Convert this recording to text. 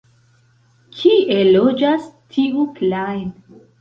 Kie loĝas tiu Klajn?